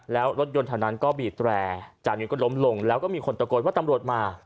แล้วรถยนต์แถวนั้นก็บีบแตรจานิวก็ล้มลงแล้วก็มีคนตะโกนว่าตำรวจมา